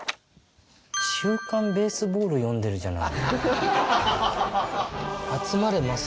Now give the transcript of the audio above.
『週刊ベースボール』読んでるじゃない。